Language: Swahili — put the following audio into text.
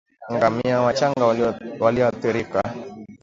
ngamia wachanga walioathirika